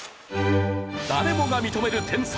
誰もが認める天才！